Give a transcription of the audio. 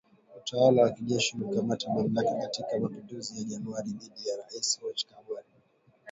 Utawala wa kijeshi ulikamata mamlaka katika mapinduzi ya Januari dhidi ya Rais Roch Kabore.